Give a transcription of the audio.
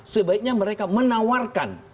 sebaiknya mereka menawarkan